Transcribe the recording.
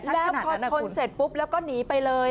แล้วพอชนเสร็จปุ๊บแล้วก็หนีไปเลย